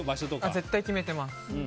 絶対決めています。